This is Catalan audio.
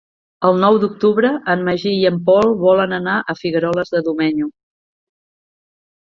El nou d'octubre en Magí i en Pol volen anar a Figueroles de Domenyo.